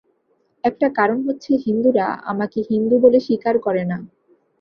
একটা কারণ হচ্ছে, হিন্দুরা আমাকে হিন্দু বলে স্বীকার করে না।